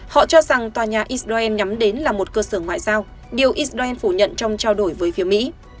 họ cho rằng tòa nhà israel nhắm đến là một cơ sở ngoại giao điều israel phủ nhận trong trao đổi với phía mỹ